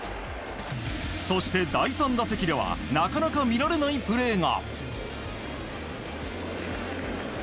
そして、第３打席ではなかなか見られないプレーが。